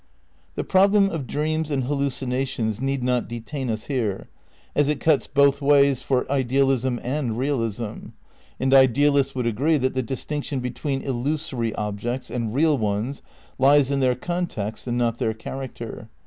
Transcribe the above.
The problem of dreams and hallucinations need not detain us here, as it cuts both ways for idealism and realism, and idealists would agree that the distinction between illusory objects and "real" ones lies in their context and not their character.